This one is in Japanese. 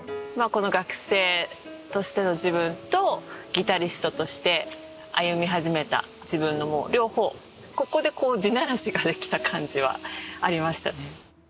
この学生としての自分とギタリストとして歩み始めた自分の両方ここで地ならしができた感じはありましたね